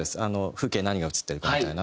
風景何が映ってるかみたいな。